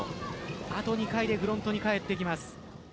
あと２回でフロントに帰ってきます。